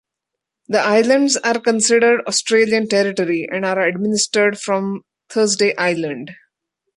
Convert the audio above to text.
The islands are considered Australian territory and are administered from Thursday Island.